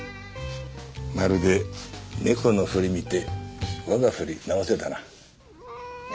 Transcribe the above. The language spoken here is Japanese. まるで「ネコの振り見て我が振り直せ」だな。